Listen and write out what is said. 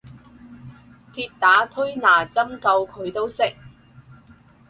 鐵打推拿針灸佢都識